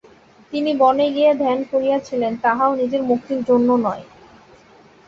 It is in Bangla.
তিনি বনে গিয়া ধ্যান করিয়াছিলেন, তাহাও নিজের মুক্তির জন্য নয়।